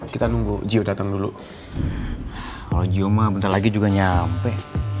kita nunggu gio datang dulu kalo gio mah bentar lagi juga nyampe